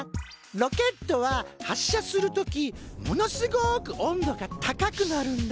ロケットは発射する時ものすごく温度が高くなるんだ。